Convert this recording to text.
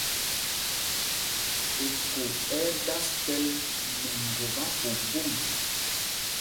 Eko ɛ́ ɛ́ ɗas kɛ̌l nɛ ŋgop apuupum.